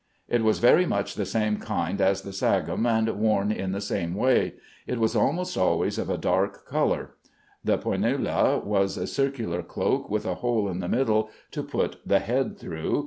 It was very much the same kind as the sagum, and worn in the same way. It was almost always of a dark color. The "pœnula" was a circular cloak, with a hole in the middle to put the head through.